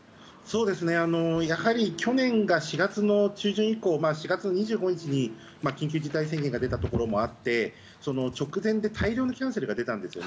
やはり去年が４月の中旬以降、４月２５日に緊急事態宣言が出たところもあって、直前で大量のキャンセルが出たんです。